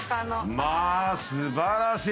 まあ素晴らしい。